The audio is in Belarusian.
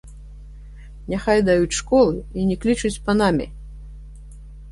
Няхай даюць школы і не клічуць панамі!